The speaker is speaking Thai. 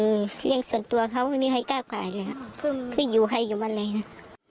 เรื่องส่วนตัวเขาไม่มีใครก้าวไก่เลยค่ะคืออยู่ใครอยู่มันเลยนะ